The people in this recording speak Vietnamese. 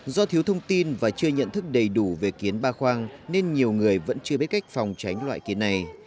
do thiếu thông tin và chưa nhận thức đầy đủ về kiến ba khoang nên nhiều người vẫn chưa biết cách phòng tránh loại kiến này